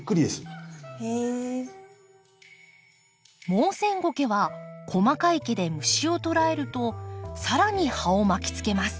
モウセンゴケは細かい毛で虫を捕らえると更に葉を巻きつけます。